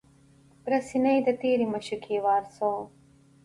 پر سینه یې د تیرې مشوکي وار سو